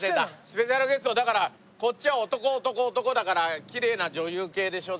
スペシャルゲストはだからこっちは男男男だからきれいな女優系でしょ？